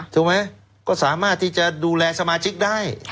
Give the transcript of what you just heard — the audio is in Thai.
ถูกไหมก็สามารถที่จะดูแลสมาชิกได้